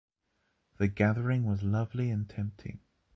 The gathering was lovely and tempting.